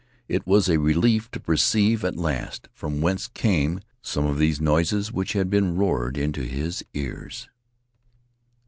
It was a relief to perceive at last from whence came some of these noises which had been roared into his ears.